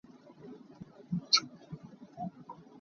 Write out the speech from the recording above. Na cawtum nih kan cawpi a kaih.